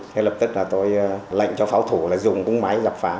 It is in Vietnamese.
thế lập tức là tôi lệnh cho pháo thủ là dùng cúng máy dập phá